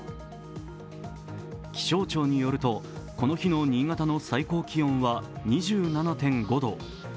気象庁によると、この日の新潟の最高気温は２７．５度。